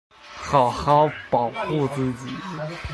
好好保护自己